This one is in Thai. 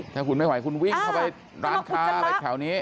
ถ้าคุณไม่ไหวคุณวิ่งเข้าไปร้านค้าอะไรแถวนี้